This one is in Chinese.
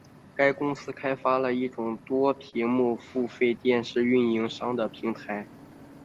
该公司开发了一种多屏幕付费电视运营商的平台。